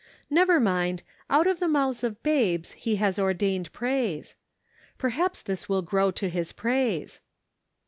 Never mind, 'out of the mouths of babes He has ordained praise ;' perhaps this will grow to his prnise."